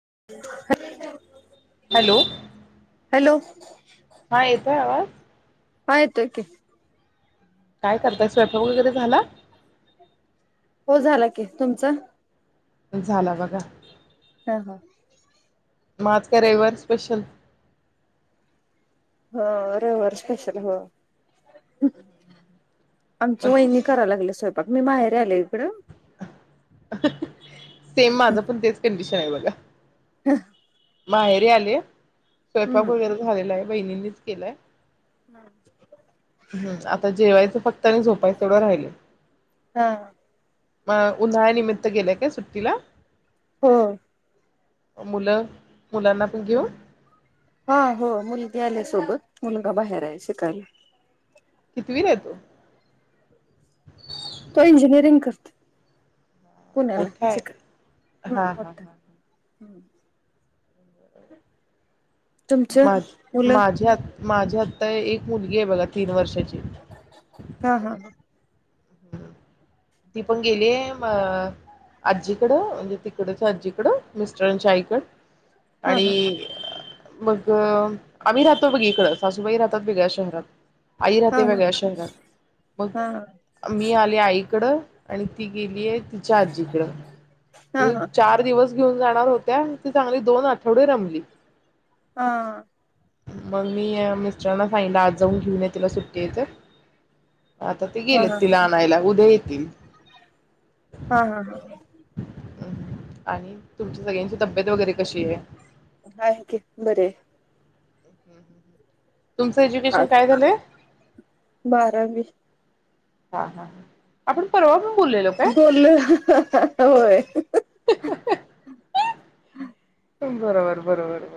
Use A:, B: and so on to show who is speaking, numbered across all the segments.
A: [inaudible]
B: Hello
A: hello
B: हा येतोय आवाज?
A: हा येतोय की
B: काय करताय स्वयंपाक वगैरे झाला.
A: हो झाला की तुमचा?
B: झाला बघा
A: हा हा
B: मग आज काय रविवार स्पेशल
A: हा रविवार स्पेशल हा आमची वहिनी कराय लागल्या स्वयपा मी माहेरी आले इकडं
B: [inaudible] सेम माझं पण तेच कंडिशन खरय बघा
A: [inaudible]
B: माहेरी आलेय. स्वयंपाक
A: हम्म
B: वगैरे झालेलाय वहिणीनीच केलंय.
A: [inaudible]
B: हम्म आता जेवायचं फक्त आणि झोपायचं तेवढं राहिलय
A: हा
B: म उन्हाळ्या निमित्त गेलाय काय सुट्टीला?
A: हो
B: मुलं मुलांना पण घेऊ
A: हा हो मुलगी आल्या सोबत, मुलगा बाहेर आहे शिकायला.
B: कितवीलाय तो?
A: तो इंजिनिअरिंग करतोय. पुण्याला
B: मोठा आहे
A: शिकायला ह
B: हा हा
A: मोठा
B: हा
A: [inaudible] तुमचं
B: माझ
A: मुलं
B: माझी आ माझी आता एक मुलगी आहे बघा तीन वर्षाची
A: हा हा हा
B: ती पण गेलीय म आजीकडं म्हणजे तिकडच्या आजीकडं मिस्टराच्या आईकडं
A: हा हा
B: आणि मग आम्ही राहतो बग इकडं सासूबाई राहतात वेगळ्या शहरात आई
A: हा
B: राहते
A: हा
B: वेगळ्या शहरात मग
A: हा
B: मी आले आई आणि ती गेलीय तिच्या आजीकड
A: हा हा
B: चार दिवस घेऊन जाणार होत्या ते चांगली दोन आठवडे रमली.
A: हा
B: मग मी या मिस्टरांना सांगलं आज जाऊन घेऊन ये तिला सुट्टीे हाय तर. आता ते गेले तीला
A: हा
B: आनायला उद्या ये तीन
A: हा हा
B: आणि तुमच्या सगळ्यांची तब्येत वगैरे कशी आहे?
A: आहे की बरीय.
B: तुमचं एज्युकेशन
A: आज
B: काय झालंय?
A: बारावी
B: हा हा ह आपण परवा बोललेलो काय
A: बोलो ह हं हा हाहोय
B: बरोबर बरोबर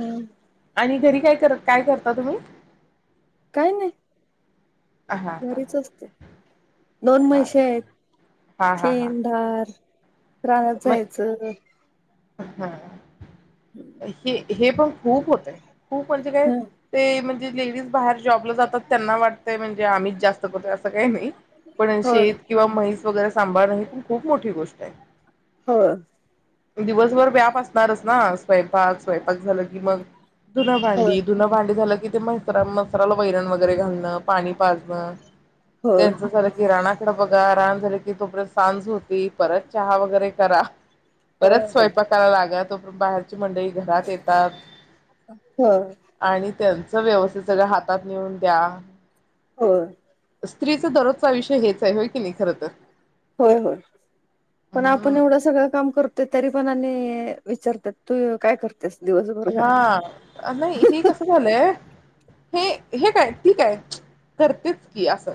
A: हम्म
B: आणि घरी काय करता का काय तुम्ही?
A: काय नाही
B: हा हा
A: घरीच असते दोन
B: हा
A: मैसे आहेत
B: हा हा हा
A: शीन धार रानात
B: मग
A: जायचं
B: हा हे हे पण खूप होतंय. खूप म्हणजे काय
A: ह
B: ते म्हणज लेडीज बाहेर जॉबला जातात त्यांना वाटतं म्हणजे आम्ही जास्त करतोय असं काही नाही पण
A: होय
B: शेत किंवा म्हैस वगैरे सांभाळ न पण खूप मोठी गोष्ट [inaudible]
A: हा
B: दिवसभर व्याप असणारच ना स्वयंपाक स्वयंपाक झालं की मग
A: होय
B: धुणंभांडी धुणंभांडी झालं की कि मसराणा मसाराला वैरण वगैरे घालणं पाणी पाजणं
A: होय
B: तेंच झालं किराणा त बघा राहान झाले की तोपर्यंत सांज होती परत चहा वगैरे करा
A: होय
B: परत
A: होय
B: स्वयंपाकायला लागत बाहेर मंडळी घरात येतात
A: होय
B: आणि त्यांच व्यवस्थित सगळ हातात नेऊन द्या.
A: हो
B: स्त्रीच दररोजच आयुष्य हेच आहे होय की नाही खर तर
A: होय होय पण आपण
B: हम्म
A: एवढ सगळ काम कर ते तरी पण आणि अ अ विचारतात तू काय कर
B: हा नाही हे कस झालंय हे हे काय ठीक आहे करतेच की अस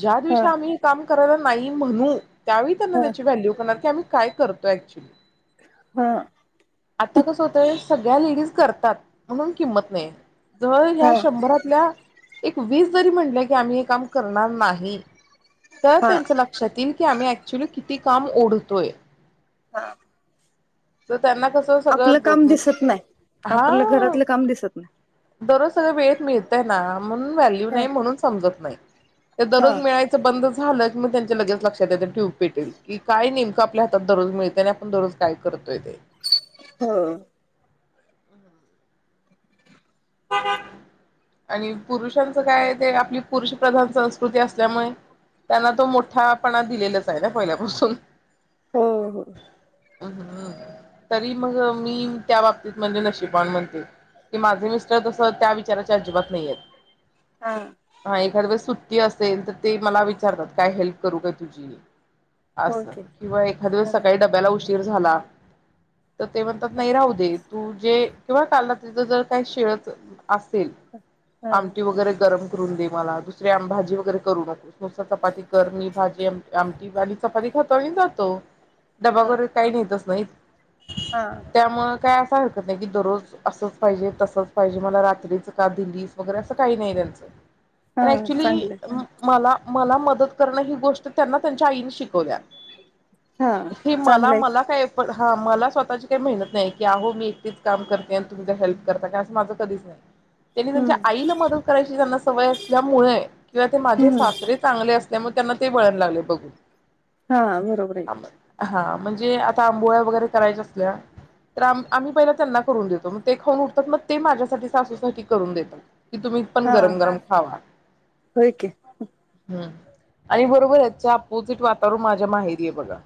B: ज्या
A: हा
B: दिवशी आम्ही हे काम करायला नाही म्हणू त्यावेळी त्यांना
A: हा
B: त्याची व्हॅल्यू करणार की आम्ही काय कर तो एक्चुली
A: हा
B: कसं होतंय सगळ्या लेडीज करतात म्हणून किंमत नायी जर ह्या
A: हा
B: शंभरातल्या एक वीस जरी म्हंटल की आम्ही हे काम करणार नाही तर
A: हा
B: त्यांच लक्षात येई की आम्ही ऍक्च्युली किती ती काम ओढतोय
A: हा
B: तर त्यांना क
A: आपल काम दिसत नाय आपल घरातल काम दिसत नाय
B: दररोज सगळ वेळेत मिळतय ना म्हणून व्हॅल्यू
A: हा
B: नायी म्हणून समजत नाय ते
A: हा
B: दररोज मिळायच बंद झाल मग त्यांच्या लगेच लक्षात येत ट्यूब पेटेल की काय नेमक आपल्या हातात दररोज मिळते आणि आपण दररोज काय करतोय ते.
A: हो
B: आणि पुरुषांचं काय ते आपली पुरुष प्रधान संस्कृती असल्यामुळे त्यांना तो मोठापणा दिलेलाच आहे ना पहिल्यापासून
A: हो हो
B: हं तरी मग मी त्या बाबतीत म्हणजे नशीबान म्हणते की माझे मिस तस त्या विचाराच्या अजिबात नाहीयेत
A: हा
B: हा एखाद बस सुट ते असेल तर ते मला विचारतात काय हेल्प करू काय तुझी आस
A: ओके
B: किंवा एखाद्या वेस
A: हा
B: सकाळी डब्याला उशी र झाला तर ते म्हणतात
A: हा
B: नाही राहू दे तू जे किंवा काल रात्री जर काय शिळ [inaudible] असेल
A: हा
B: आमटी वगेरे गरम करून दे मला दुसरी आम् भाजी वगैरे करू नको नुसती चपाती कर मी भाजी आम आमटी आणि चपाती खातो आणि जातो. डबा
A: हा
B: वैगरे काही नेतच नाहीत
A: हा
B: त्यामुळं काय अ काही हरकत नाही की दररोज असंच पाहिजे तसंच पाहिजे मला रात्रीच का दिलीस वगैरे असं काही नाही
A: हा
B: त्यांचं ऍक्चुली
A: चांगलंय
B: अम् मला मला मद मदत करणं ही गोष्टच त्यांना त्यांच्या आईने शिकवल्या
A: हा
B: हे मला
A: चांगलंय
B: मला काय पण हा मला स्वतःची काही मेहनत नाही की आहो मी एकटीच काम करते आणि तुम्ही जरा हेल्प करता का? माझं कधीच नाही. त्यांनी
A: हम्म
B: त्यांच्या आईला मदत करायची त्यांना सवय असल्यामुळे किंवा ते माझे
A: हम्म
B: सासरे चांगले असल्यामुळे त्यांना ते वळण लागलय बघून.
A: हा बरोबर आहे
B: हा म्हणजे आता आंबोळ्या वगैरे करायच्या असल्या तर आम आम्ही पहिल्या त्यांना करून देतो मग ते खाऊन उठतात मग ते माझ्यासाठी सासूसाठी करून देतात कि तुम्ही पण
A: हा
B: गरम गरम खावा
A: होय की
B: हूं आणि बरोबर याच्या अपोजिट वातावरण माझ्या माहेरी आहे बघा.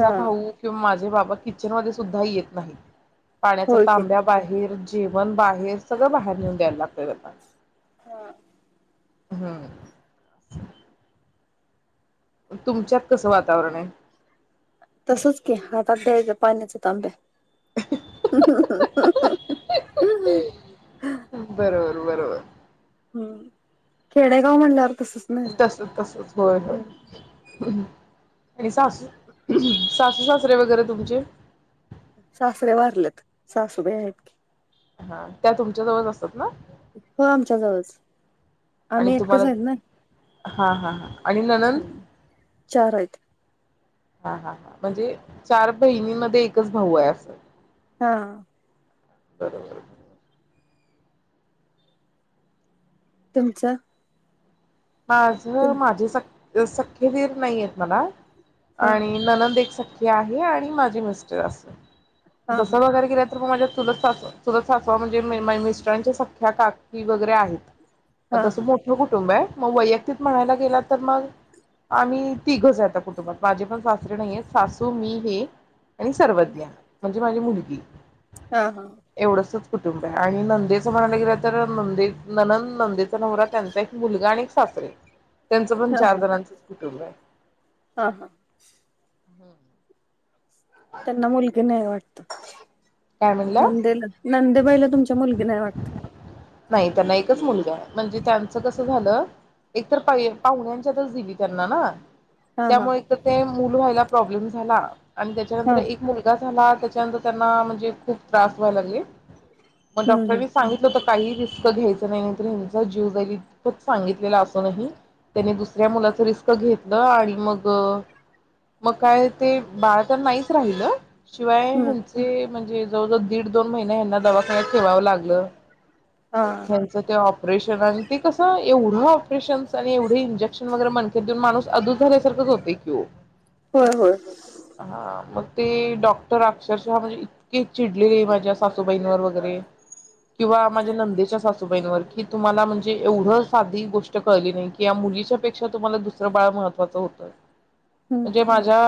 A: हा
B: भाऊ किंवा माझ जे बाबा किचन मध्ये सुद्धा येत नाहीत. पाण्याचा
A: होय की
B: तांब्या बाहेर जेवण बाहेर सगळं बाहेर नेऊन द्यायला लागतय त्यांना
A: हा
B: हूं तुमच्यात कसं वातावरण हाय?
A: तसच की हातात द्यायचं पाण्याचा तांब्या. [inaudible] [inaudible]
B: बरोबर-बरोबर
A: हुं खेडेगाव म्हणल्यावर तसच नाही जरा
B: तस-तसच होय-होय. आणि सासू सासू सासरे वगैरे तुमचे
A: सासरे वारलेत सासुबाई आहेत की
B: हा त्या तुमच्या जवळच असतात ना
A: हो आमच्या जवळच
B: आणि
A: आम्ही एकटेच
B: तुम्हाला
A: आहेत नाय
B: हा हा हा आणि ननंद
A: चार हाईत
B: हा हा हा म्हणजे चार बहिणीमध्ये एकच भाऊ आहे असं
A: हा हा
B: बरोबर
A: तुमच
B: माझ माझे स सख्खे दीर नाहीयेत मला
A: हा
B: आणि ननंद एक स हे आहे आणि माझे मिस्टर अस
A: हा
B: दुसर
A: हा
B: बघायला गेल तर मग माझ्या चुलत चुलत सासवा म्हणजे मिस्ट्रांच्या सख्ख्या काकी वगैरे
A: हा
B: आहेत तसं मोठ कुटुंब आहे मग वैयक्तिक म्हणायला गेला तर मग आम्ही तिघंच आहेता कुटुंबात माझे पण सासरे नही येत सासू मी हे आणि सर्वज्ञा म्हणजे माझी मुलगी
A: हा हा
B: एवढंसच कुटुंब आहे आणि नंदेचं म्हणायला गेलं तर नंदे ननंद नंदेचा नवरा त्यांचा एक मुलगा आणि सासरे त्यांचं पण चार
A: हा
B: जणांचंच कुटुंब आहे
A: हा हा
B: हम्म
A: त्यांना मुलगी नाही वाटत
B: काय म्हणला?
A: नंदेला नंदूबाईला तुमच्या मुलगी नाही वाटत
B: नाही त्यांना एकच मुलगा आहे म्हणजे त्यांचं कसं झालं एकतर पाहुण्यांच्यातच दिली त्यांना ना
A: हा हा
B: त्यामुळे एक त ते मुल व्हायला प्रॉब्लेम झाला आणि त्याच्यानंतर
A: हा
B: एक मुलगा झाला त्याच्यानंतर त्यांना म्हणजे खूप त्रास व्हाय लागले मग
A: हम्म हम्म
B: डॉक्टरांनी सांगितलं होत काही रिस्क घ्यायचं नाही नाही तर हचा जीव जाईल सांगितलेला असं नाही त्यानी दुसऱ्या मुलाच रिस्क घेतलं आणि मग मग काय ते बाळ तर नाहीच राहिलं शिवाय
A: हम्म
B: ह्यांचे म्हणजे जवळ जवळ दीड दोन महिने हयांना दवाखान्यात ठेवावं लागलं
A: हा
B: त्यांचं ते ऑपरेशन आणि ते कसं एवढं ऑपरेशन आणि एवढे इंजेक्शन वगैरे मणकेत देऊन माणूस अधू झाल्यासारखच होते कि ओ
A: होय होय
B: हा मग ते डॉक्टर अक्षरशः म्हणजे इतके चिडलेले माझ्या सासूबाईंवर वगैरे किंवा माझ्या नंदेच्या सासूबाईंवर की तुम्हाला म्हणजे एवढं साधी गोष्ट कळली नाही की या मुलीच्या पेक्षा तुम्हाला दुसरं बाळ महत्त्वाचं होतं.
A: हम्म
B: म्हणजे माझ्या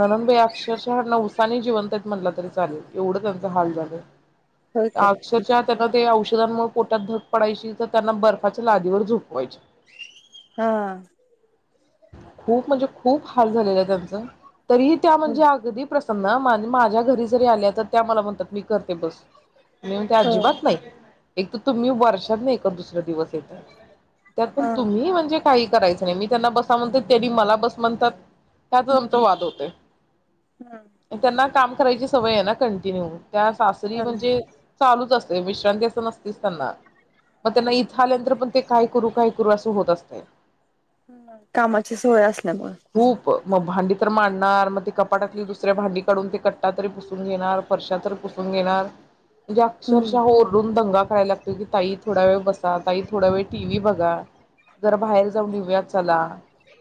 B: ननंदबाई अक्षरशः नवसानी जिवंत आहेत म्हणला तरी चालेल एवढं त्यांचा हाल झालंय
A: होय काय
B: अक्षरशः त्यांना ते औषधांमुळे पोटात धक पडायची तर त्यांना बर्फाच्या लादीवर झोपवायची
A: हा
B: खूप म्हणजे खूप हाल झालेल आहे त्यांचं तरी त्या म्हणजे अगदी प्रसन्न माझ्या घरी जरी आल्या तर त्या मला म्हणतात मी करते बस मी म्हणते
A: हो
B: अजिबात नाही एक तर तुम्ही वर्षात ना एखाद दुसरा दिवस येता त्यात पण
A: हा
B: तुम्ही म्हणजे काही करायचं नाही मी त्यांना बसा म्हणते त्यांनी मला बस म्हणतात त्यात आमचा
A: हम्म
B: वाद होतय
A: हम्म
B: त्यांना काम करायची सवय आहे ना कंटिन्यू त्या सासरी
A: चालेल
B: म्हणजे चालूच अस ते विश [inaudible] नसतीस त्यांना मग त्यांना
A: हम्म
B: इथं आल्यानंतर पण ते काय करू? काय करू? असं होत असत. [unintelligible]
A: कामाची सवय असल
B: खूप.. म भांडी तर मांडणार मग ते कपाटातली दुसऱ्या भांडी काढून ते कट्टा तरी पुसून घेणार फरश्या तर पुसून घेणार म्हणजे
A: हम्म
B: अक्षरशः ओरडून दम करायला लागतो की ताई थोडा वेळ बसा ताई थोडा वेळ टी व्ही बघा जर बाहेर जाऊन येेऊया चला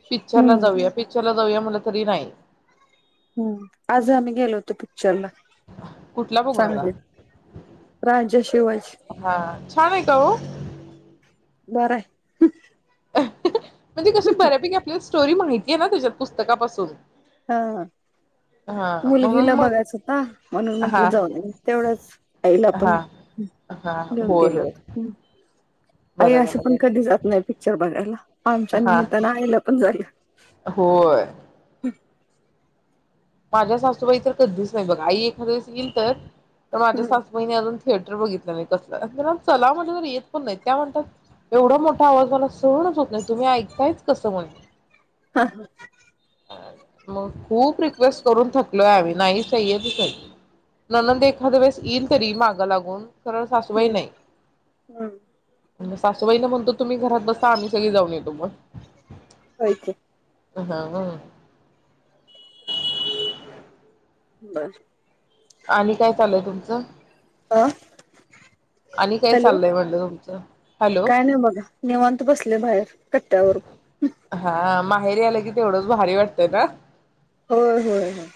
B: पिक्चर ला
A: हम्म
B: जाऊया पिक्चरला जाऊया या म्हणल तरी नाही
A: हम्म आज आम्ही गेलो होतो पिक्चरला
B: कुठला बघणारा
A: सांगलीत राजा शिवाजी
B: तळू
A: बराय
B: म्हणजे कशी बऱ्यापैकी आपलीस स्टोरी माहितीये ना त्याच्यात पुस्तकापासून
A: हा
B: हा म्हणून
A: मुलगीला
B: मग
A: बघायच होता म्हणून म्हंटलं
B: हा
A: जाऊन तेवढंच आईला पण
B: हा हा हा
A: घेऊन
B: होय
A: गेलो
B: होय
A: होत आई
B: बरं
A: असं
B: झालं
A: पण
B: बरं
A: कधी जात नाही पिक्चर बघायला आमच्या
B: हा
A: निमित्तानं आईला बंद झालं.
B: होय
A: [inaudible]
B: माझ्या सासूबाई तर कधीच नाही बघा आई एखाद्या वेळेस येईल तर तर माझ्या
A: हम्म
B: सासुबाईनी अजून थिएटर बघितलं नाही कसलं चला म्हटलतर येत पण नाही त्या म्हणतात एवढा मोठा आवाज मला सह सहनच होत नाही, तुम्ही ऐकतायच कसं म्हणे.
A: [inaudible]
B: मग खूप रिक रिक्वेस्ट करून थकलोय आम्ही. नाही त्या येतच नाहीत ननंद एखाद्या वेळेस येईल तरी माग लागून. खरं सासूबाई
A: हॅलो, हा.
B: मग सासूबाईना म्हणतो तुम्ही घरात बसा आम्ही सगळी जाऊन येतो मग.
A: होय की.
B: अं आ हं [inaudible]
A: बर
B: आणि काय चालय तुमचं
A: अं
B: आणि काय चाललंय म्हणलं तुमचं? हॅलो
A: काय नाही बघा निवांत बसले बाहेर कट्यावर
B: भाइर याल की तेवढंच भारी वाटतंय ना?
A: होय, होय, होय.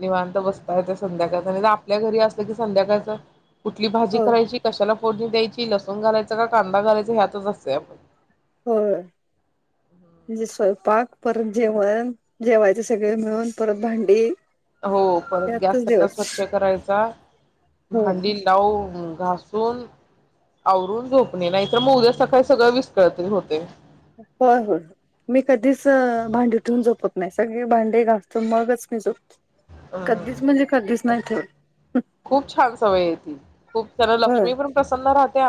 B: निवांत बसता येतय संध्याकाळचं. नाही तर आपल्या घरी असलं की संध्याकाळचं कुठली भाजी
A: होय
B: करायची कशाला फोडणी द्यायची. लसूण घालायचा का कांदा घालायचा ह्यातच असतोय आपण.
A: हो मिसळ पाक परत जेवण जेवायचे सगळे मिळून परत भांडी
B: हो परत गॅस
A: यातच
B: कट्टा
A: दिवस
B: स्वच्छ करायचा.
A: होय
B: भांडी लावू ह् घासून आवरून झोपणे नाहीतर म उद्या सकाळी सगळं विस्कळत होते
A: होय, होय मी कधीच भांडी ठेवुन झोपत नाही. सगळी भांडे घासुन मगच मी झोपतोय. कधीच म्हणजे कधीच नाही ठेवत.
B: खूप छान सवय आहे ती. खूप खर
A: होय
B: लक्ष्मी पण प्रसन्न राह होत्या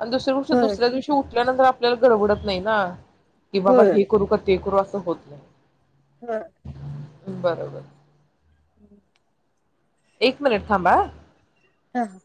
B: आणि गोष्ट
A: होय
B: दुसऱ्या दिवशी उ त्यानंतर आपल्याला घरबडत नाही ना की बाबा
A: होय
B: हे करू का ते करू अस होत नाय
A: हा
B: बरोबर.
A: [inaudible]
B: एक मिनिट थांबा हा
A: हा ह